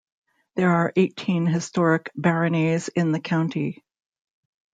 There are eighteen historic baronies in the county.